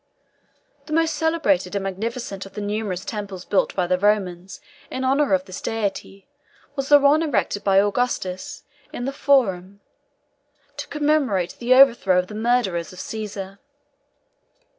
The most celebrated and magnificent of the numerous temples built by the Romans in honour of this deity was the one erected by Augustus in the Forum, to commemorate the overthrow of the murderers of Cæsar.